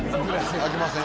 あきません？